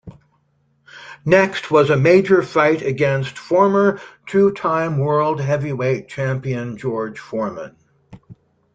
Next was a major fight against former two time world Heavyweight champion George Foreman.